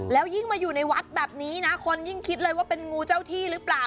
แล้วยิ่งมาอยู่ในวัดแบบนี้นะคนยิ่งคิดเลยว่าเป็นงูเจ้าที่หรือเปล่า